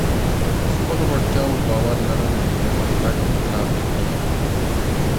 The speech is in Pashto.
په خپلو وړتیاوو باور لرل د پرمختګ لامل کېږي.